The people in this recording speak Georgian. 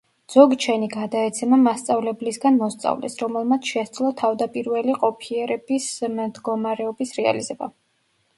ძოგჩენი გადაეცემა მასწავლებლისგან მოსწავლეს, რომელმაც შესძლო თავდაპირველი ყოფიერების მდგომარეობის რეალიზება.